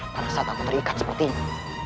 pada saat aku terikat seperti ini